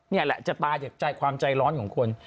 นี่แหละจะตายจากใจความใจร้อนของคน